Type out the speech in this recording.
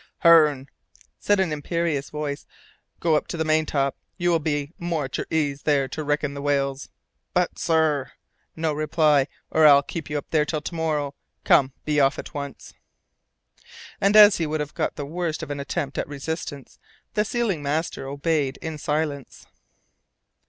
"Hearne," said an imperious voice, "go up to the maintop. You will be more at your ease there to reckon the whales." "But, sir " "No reply, or I'll keep you up there until to morrow. Come be off at once." And as he would have got the worst of an attempt at resistance, the sealing master obeyed in silence.